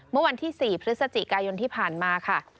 เมื่อวันที่๔พฤศจิกายนที่ผ่านมาค่ะ